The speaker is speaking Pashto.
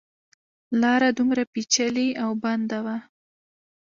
لاره دومره پېچلې او بنده وه.